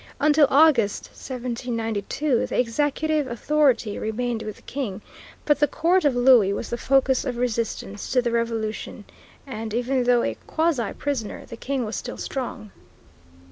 Until August, 1792, the executive authority remained with the King, but the court of Louis was the focus of resistance to the Revolution, and even though a quasi prisoner the King was still strong.